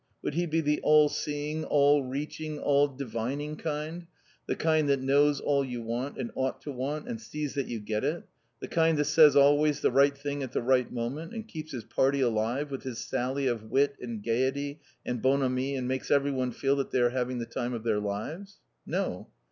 Would he be the all seeing, all reaching, all divining kind, the kind that knows all you want, and ought to want, and sees that you get it, the kind that says always the right thing at the right moment, and keeps his party alive with his sally of wit and gaiety, and bonhomie, and makes everyone feel that they are having the time of their lives? No!